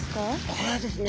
これはですね